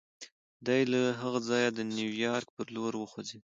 دی له هغه ځایه د نیویارک پر لور وخوځېد